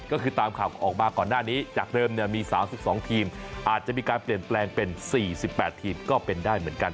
ก็คือตามข่าวออกมาก่อนหน้านี้จากเดิมมี๓๒ทีมอาจจะมีการเปลี่ยนแปลงเป็น๔๘ทีมก็เป็นได้เหมือนกัน